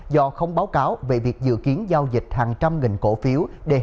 do không báo cáo về việc dự kiến giao dịch hàng trăm nghìn cổ phiếu